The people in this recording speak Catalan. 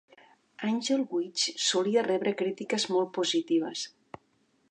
"Angel Witch" solia rebre crítiques molt positives.